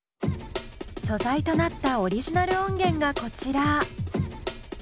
素材となったオリジナル音源がこちら。